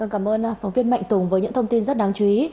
cảm ơn phóng viên mạnh tùng với những thông tin rất đáng chú ý